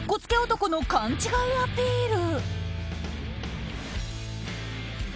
男の勘違いアピール。